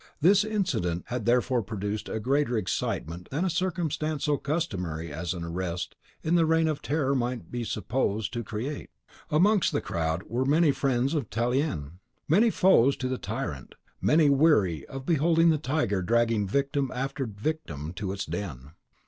This incident had therefore produced a greater excitement than a circumstance so customary as an arrest in the Reign of Terror might be supposed to create. Amongst the crowd were many friends of Tallien, many foes to the tyrant, many weary of beholding the tiger dragging victim after victim to its den.